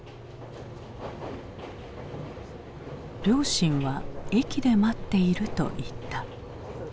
両親は駅で待っていると言った。